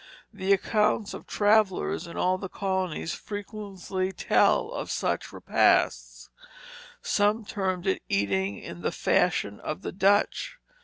The accounts of travellers in all the colonies frequently tell of such repasts; some termed it eating in the fashion of the Dutch.